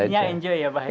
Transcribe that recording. intinya enjoy ya bapak